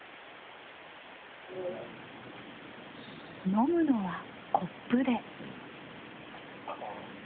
飲むのはコップで。